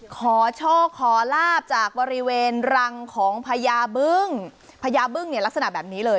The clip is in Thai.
ขอโชคขอลาบจากบริเวณรังของพญาบึ้งพญาบึ้งเนี่ยลักษณะแบบนี้เลย